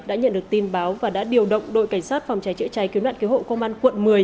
đã nhận được tin báo và đã điều động đội cảnh sát phòng cháy chữa cháy cứu nạn cứu hộ công an quận một mươi